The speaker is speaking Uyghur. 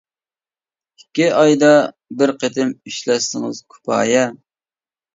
ئىككى ئايدا بىر قېتىم ئىشلەتسىڭىز كۇپايە.